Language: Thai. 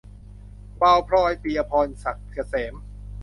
วาวพลอย - ปิยะพร ศักดิ์เกษม